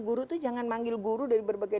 guru itu jangan manggil guru dari berbagai